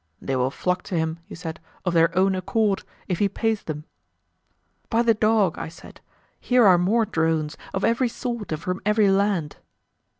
They will flock to him, he said, of their own accord, if he pays them. By the dog! I said, here are more drones, of every sort and from every land.